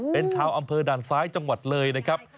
เป็นชาวอำเภอด่านซ้ายจังหวัดเลยนะครับ